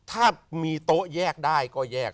ถ้ามีโต๊ะแยกได้ก็แยก